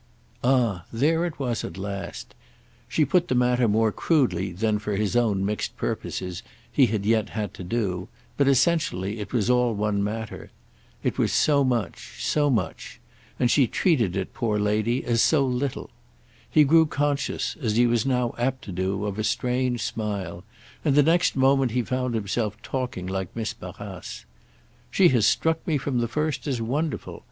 Ah there it was at last! She put the matter more crudely than, for his own mixed purposes, he had yet had to do; but essentially it was all one matter. It was so much—so much; and she treated it, poor lady, as so little. He grew conscious, as he was now apt to do, of a strange smile, and the next moment he found himself talking like Miss Barrace. "She has struck me from the first as wonderful.